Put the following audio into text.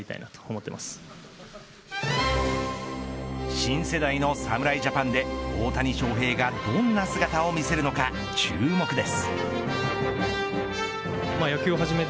新世代の侍ジャパンで大谷翔平がどんな姿を見せるのか注目です。